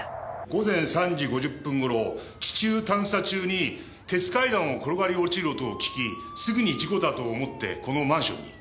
午前３時５０分頃地中探査中に鉄階段を転がり落ちる音を聞きすぐに事故だと思ってこのマンションに。